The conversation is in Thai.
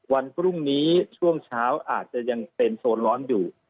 วันพรุ่งนี้ช่วงเช้าอาจจะยังเป็นโซนร้อนอยู่